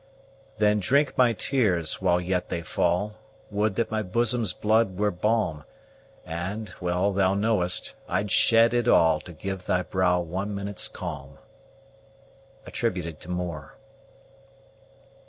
Then drink my tears, while yet they fall Would that my bosom's blood were balm; And well thou knowest I'd shed it all, To give thy brow one minute's calm. MOORE.